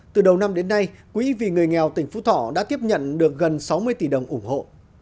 từ đầu năm đến nay quỹ vì người nghèo tỉnh phú thọ đã tiếp nhận được gần sáu mươi tỷ đồng ủng hộ